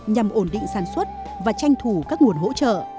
nhằm ổn định sản xuất và tranh thủ các nguồn hỗ trợ